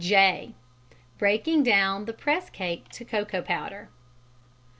] (j) _Breaking Down the Press Cake to Cocoa Powder.